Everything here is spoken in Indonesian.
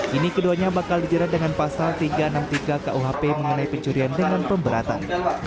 kini keduanya bakal dijerat dengan pasal tiga ratus enam puluh tiga kuhp mengenai pencurian dengan pemberatan